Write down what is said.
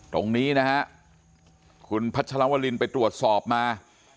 ตรงนี้นะฮะคุณพัชรวรินไปตรวจสอบมา